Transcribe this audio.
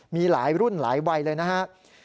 มีหลายรุ่นหลายวัยเลยนะครับ